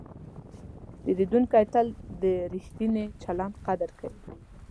پیرودونکی تل د ریښتیني چلند قدر کوي.